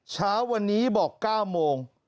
เช้าวันนี้บอก๙โมง